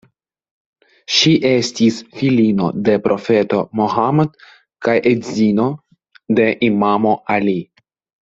Ŝi estis filino de profeto Mohammad kaj edzino de imamo Ali.